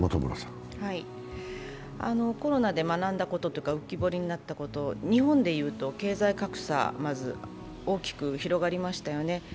コロナで学んだこと、浮き彫りになったことは日本で言うと経済格差、まず、大きく広がりましたよね。